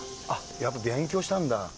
やっぱ勉強したんだ。